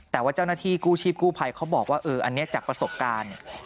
แต่ว่าเจ้าหน้าที่กู้ชีพกู้ภัยเขาบอกว่าอันนี้จากประสบการณ์